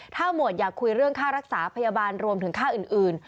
ถ้าหมวดอยากคุยเรื่องค่ารักษาพยาบาลรวมถึงค่าอื่น